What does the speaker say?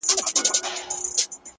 په دربار کي که ولاړ ډنډه ماران وه؛